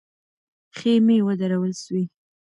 خېمې ودرول سوې.